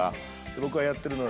僕がやってるのあの。